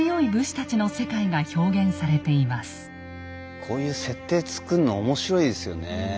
こういう設定作るの面白いですよねえ。